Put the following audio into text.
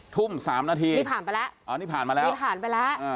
ทุ่ม๓นาทีอ๋อนี่ผ่านมาแล้วอ๋อนี่ผ่านไปแล้ว